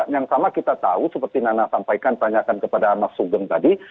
yang sama kita tahu seperti nana sampaikan tanyakan kepada mas sugeng tadi